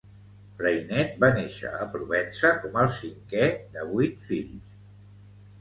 Freinet va néixer a Provença com al cinquè de vuit fills.